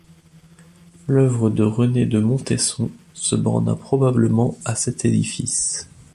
L'œuvre de René de Montesson se borna probablement à cet édifice.